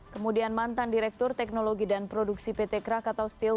kemudian mantan direktur teknologi dan produksi pt krakatau steel